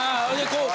こう？